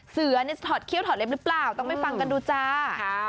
เสือถอดเขี้ยถอดเล็บหรือเปล่าต้องไปฟังกันดูจ้า